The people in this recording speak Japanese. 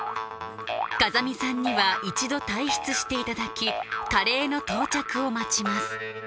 風見さんには一度退室していただきカレーの到着を待ちます